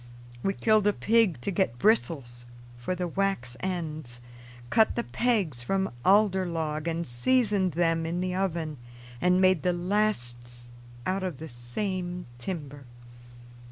We killed a pig to get bristles for the wax ends, cut the pegs from alder log and seasoned them in the oven, and made the lasts out of the same timber.